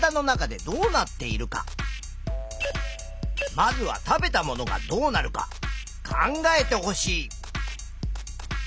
まずは食べたものがどうなるか考えてほしい。